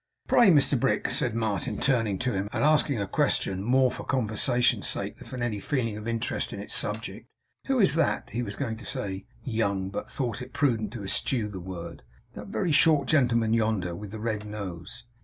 'Pray, Mr Brick,' said Martin, turning to him, and asking a question more for conversation's sake than from any feeling of interest in its subject, 'who is that;' he was going to say 'young' but thought it prudent to eschew the word 'that very short gentleman yonder, with the red nose?